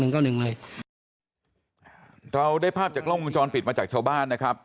นายต้องได้ภาพจากล้อมวิวจรปิดมาจากชาวบ้านนะครับ